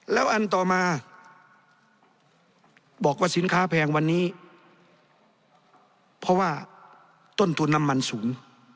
แล้วอันต่อมาบอกว่าสินค้าแพงวันนี้เพราะว่าต้นทุนน้ำมันสูง